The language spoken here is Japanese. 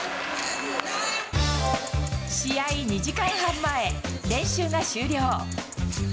試合２時間半前、練習が終了。